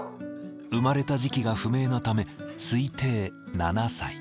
生まれた時期が不明なため推定７歳。